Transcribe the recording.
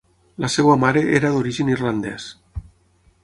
La seva mare era d'origen irlandès.